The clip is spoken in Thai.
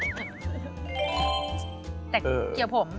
แต่เกี่ยวผม